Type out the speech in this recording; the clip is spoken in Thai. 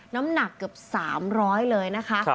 น้ำหนักเกือบ๓๐๐เลยนะคะ